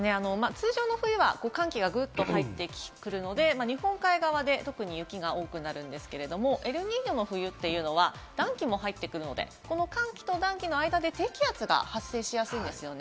通常の冬は寒気がグッと入ってくるので、日本海側で特に雪が多くなるんですけれども、エルニーニョの冬というのは暖気も入ってくるので、この寒気と暖気の間で低気圧が発生しやすいんですね。